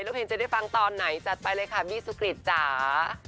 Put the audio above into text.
เพลงจะได้ฟังตอนไหนจัดไปเลยค่ะบี้สุกริตจ๋า